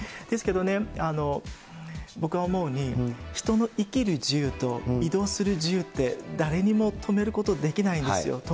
ですけど、僕が思うに、人の生きる自由と移動する自由って、誰にも止めることできないんですよ。